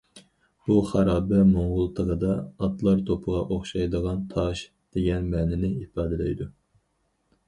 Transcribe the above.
بۇ خارابە موڭغۇل تىلىدا« ئاتلار توپىغا ئوخشايدىغان تاش» دېگەن مەنىنى ئىپادىلەيدۇ.